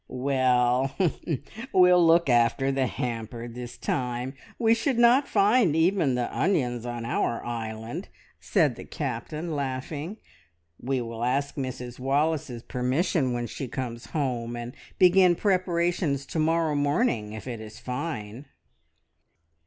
"Well, we'll look after the hamper this time. We should not find even the onions on our island," said the Captain, laughing. "We will ask Mrs Wallace's permission when she comes home, and begin preparations to morrow morning if it is fine."